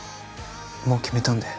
もう決めたんで